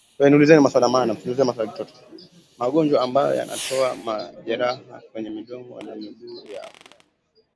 Magonjwa ambayo yanatoa majeraha kwenye midomo na miguu ya wanyama